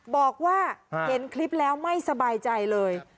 บอกว่าเห็นคลิปแล้วไม่สบายใจเลย